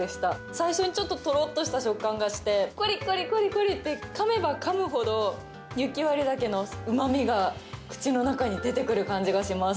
最初にちょっとトロッとした食感がしてコリコリコリコリッてかめばかむほど雪割茸のうま味が口の中に出てくる感じがします。